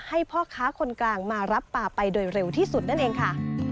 ให้พ่อค้าคนกลางมารับป่าไปโดยเร็วที่สุดนั่นเองค่ะ